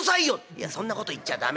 「いやそんなこと言っちゃ駄目だ」。